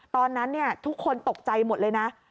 ตอนนั้นทุกคนตกใจหมดเลยนะ